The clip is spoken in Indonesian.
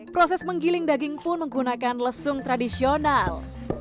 proses menggiling daging pun menggunakan lesung tradisional